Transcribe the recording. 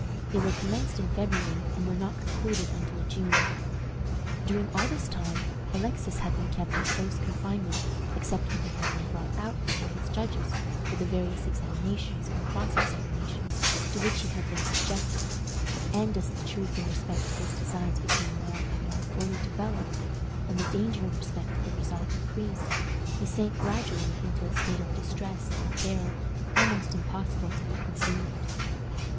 They were commenced in February, and were not concluded until June. During all this time Alexis had been kept in close confinement, except when he had been brought out before his judges for the various examinations and cross examinations to which he had been subjected; and as the truth in respect to his designs became more and more fully developed, and the danger in respect to the result increased, he sank gradually into a state of distress and terror almost impossible to be conceived.